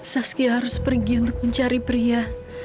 saski harus pergi untuk mencari pria